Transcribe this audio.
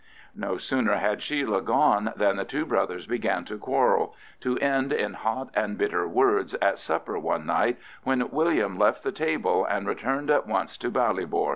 No sooner had Sheila gone than the two brothers began to quarrel—to end in hot and bitter words at supper one night, when William left the table and returned at once to Ballybor.